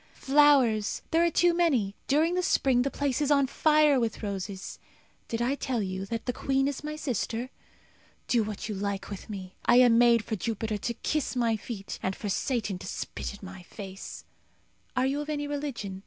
Flowers! there are too many during the spring the place is on fire with roses. Did I tell you that the queen is my sister? Do what you like with me. I am made for Jupiter to kiss my feet, and for Satan to spit in my face. Are you of any religion?